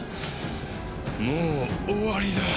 もう終わりだ。